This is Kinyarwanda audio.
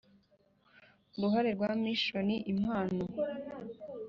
Uruhare rwa mission impano